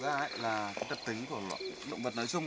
thực ra ấy là cái thật tính của động vật nói chung